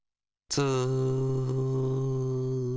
ツー。